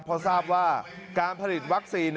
พอทราบว่าการผลิตวัคซีน